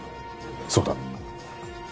そうだ。